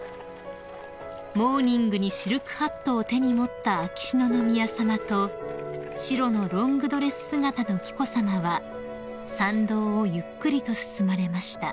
［モーニングにシルクハットを手に持った秋篠宮さまと白のロングドレス姿の紀子さまは参道をゆっくりと進まれました］